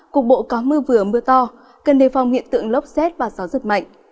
cục bộ có mưa vừa mưa to gần đề phòng hiện tượng lốc xét và gió rất mạnh